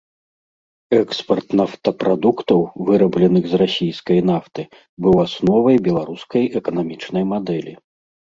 Экспарт нафтапрадуктаў, вырабленых з расійскай нафты, быў асновай беларускай эканамічнай мадэлі.